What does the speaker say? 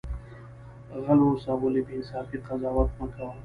غل اوسه ولی بی انصافی قضاوت مکوه